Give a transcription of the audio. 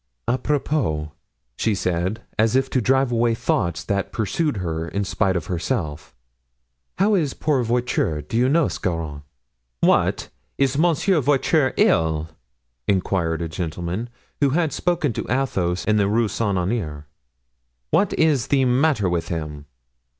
"Apropos," she said, as if to drive away thoughts that pursued her in spite of herself, "how is poor Voiture, do you know, Scarron?" "What, is Monsieur Voiture ill?" inquired a gentleman who had spoken to Athos in the Rue Saint Honore; "what is the matter with him?"